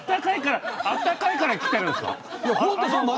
あったかいから着てるんですか。